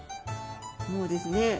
もうですね